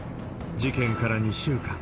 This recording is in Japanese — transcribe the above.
事件から２週間。